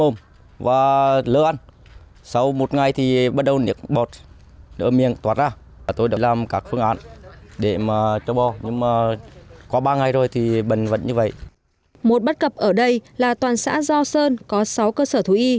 một bất cập ở đây là toàn xã do sơn có sáu cơ sở thú y